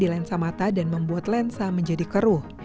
mereka menyebabkan obat tetes mata dan membuat lensa menjadi keruh